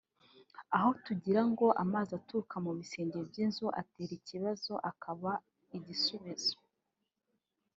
aho kugira ngo amazi aturuka mu bisenge by’inzu atere ikibazo akaba igisubizo